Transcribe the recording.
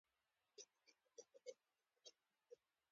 تر مازدیګر ټولې د دوه کالو خبرې یې وکړې.